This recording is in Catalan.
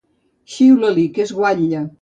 Xiula-li que és guatlla.